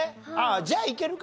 じゃあいけるか。